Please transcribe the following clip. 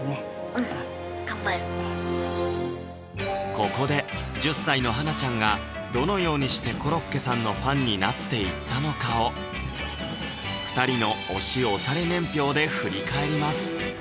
うんここで１０歳の花奈ちゃんがどのようにしてコロッケさんのファンになっていったのかを２人の推し推され年表で振り返ります